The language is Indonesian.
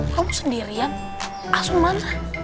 kamu sendirian asuman